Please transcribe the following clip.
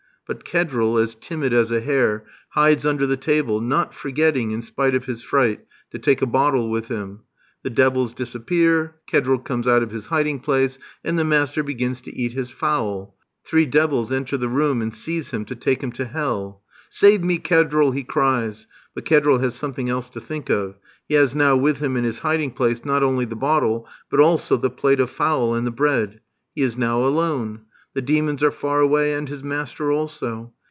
But Kedril, as timid as a hare, hides under the table, not forgetting, in spite of his fright, to take a bottle with him. The devils disappear, Kedril comes out of his hiding place, and the master begins to eat his fowl. Three devils enter the room, and seize him to take him to hell. "Save me, Kedril," he cries. But Kedril has something else to think of. He has now with him in his hiding place not only the bottle, but also the plate of fowl and the bread. He is now alone. The demons are far away, and his master also.